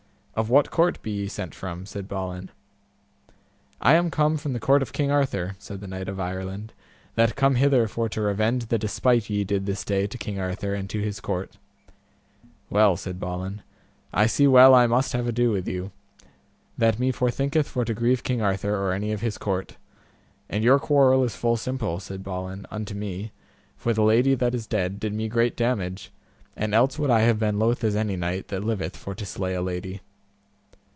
Of what court be ye sent from? said Balin. I am come from the court of King Arthur, said the knight of Ireland, that come hither for to revenge the despite ye did this day to King Arthur and to his court. Well, said Balin, I see well I must have ado with you, that me forthinketh for to grieve King Arthur, or any of his court; and your quarrel is full simple, said Balin, unto me, for the lady that is dead, did me great damage, and else would I have been loath as any knight that liveth for to slay a lady.